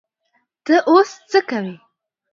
ته اوس څه کوې؟